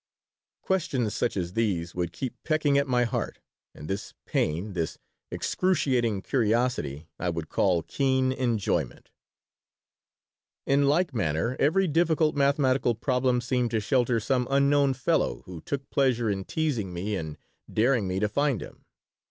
Questions such as these would keep pecking at my heart, and this pain, this excruciating curiosity, I would call keen enjoyment In like manner every difficult mathematical problem seemed to shelter some unknown fellow who took pleasure in teasing me and daring me to find him.